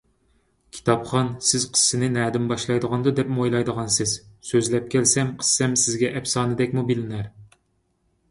كىتابخان، سىز قىسسەنى نەدىن باشلايدىغاندۇ، دەپمۇ ئويلايدىغانسىز، سۆزلەپ كەلسەم، قىسسەم سىزگە ئەپسانىدەكمۇ بىلىنەر.